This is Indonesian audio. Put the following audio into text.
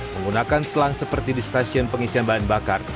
menggunakan selang seperti di stasiun pengisian bahan bakar